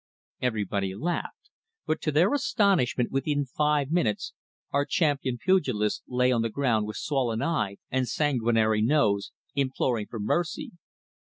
Everybody laughed, but to their astonishment within five minutes our champion pugilist lay on the ground with swollen eye and sanguinary nose, imploring for mercy.